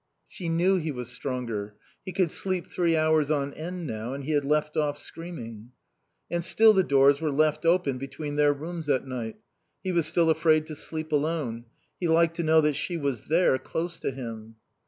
She knew he was stronger. He could sleep three hours on end now and he had left off screaming. And still the doors were left open between their rooms at night. He was still afraid to sleep alone; he liked to know that she was there, close to him.